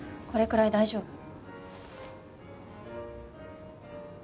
これくらい大丈夫。